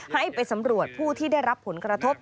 ให้ไปสำรวจผู้ที่ได้รับผลกระทบ